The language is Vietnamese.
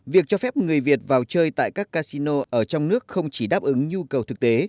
việc cho phép người việt vào chơi tại các casino ở trong nước không chỉ đáp ứng nhu cầu thực tế